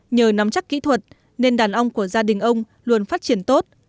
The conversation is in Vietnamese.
nhờ nắm chắc kỹ thuật nên đàn ong của gia đình ông luôn phát triển tốt